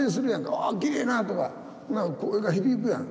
「ああきれいなあ」とか声が響くやん。